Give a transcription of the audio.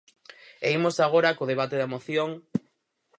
E imos agora co debate da moción.